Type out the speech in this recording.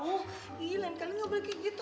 ih lain kali gak boleh kayak gitu ah